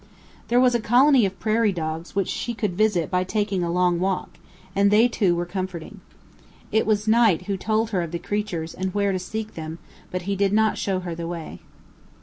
There was a colony of prairie dogs which she could visit by taking a long walk, and they, too, were comforting. It was Knight who told her of the creatures and where to seek them; but he did not show her the way.